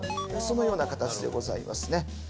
そのような形でございますね。